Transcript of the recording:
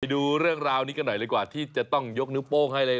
ดูเรื่องราวนี้กันหน่อยดีกว่าที่จะต้องยกนิ้วโป้งให้เลย